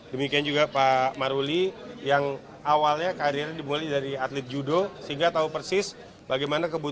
demikian juga pak maruli yang awalnya kehadiran dimulai dari atlet judo sehingga tahu persis bagaimana kebutuhan